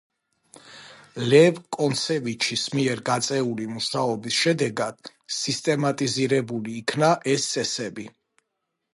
ლევ კონცევიჩის მიერ გაწეული მუშაობის შედეგად სისტემატიზირებული იქნა ეს წესები.